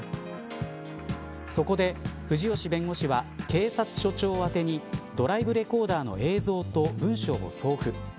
そこで、藤吉弁護士は警察署長宛てにドライブレコーダーの映像と文書を送付。